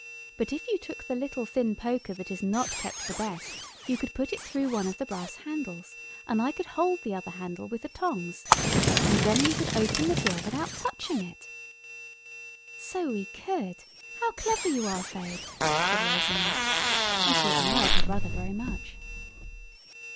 "But if you took the little thin poker that is not kept for best you could put it through one of the brass handles and I could hold the other handle with the tongs. And then we could open the drawer without touching it." "So we could! How clever you are, Fabe," said Rosamund. And she admired her brother very much.